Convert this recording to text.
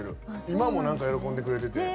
今も何か喜んでくれてて。